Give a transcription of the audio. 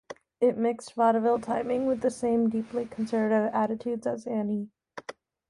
It mixed vaudeville timing with the same deeply conservative attitudes as "Annie".